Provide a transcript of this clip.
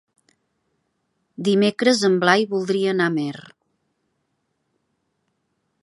Dimecres en Blai voldria anar a Amer.